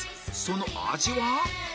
その味は？